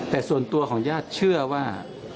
แต่ส่วนตัวของญาติเชื่อว่า